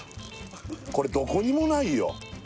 これどこにもないよ